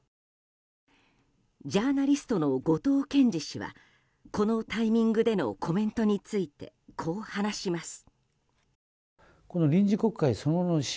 ジャーナリストの後藤謙次氏はこのタイミングでのコメントについてこう話します。